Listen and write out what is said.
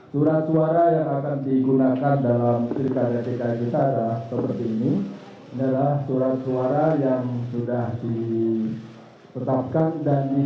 surat suara yang akan digunakan dalam pilkada dki jakarta seperti ini adalah surat suara yang sudah ditetapkan